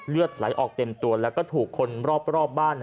เลือดไหลออกเต็มตัวแล้วก็ถูกคนรอบบ้าน